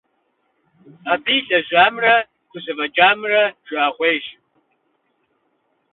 Абы илэжьамрэ, хузэфӀэкӀамрэ жыӀэгъуейщ.